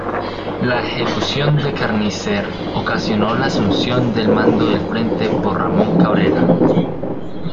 La ejecución de Carnicer ocasionó la asunción del mando del frente por Ramón Cabrera.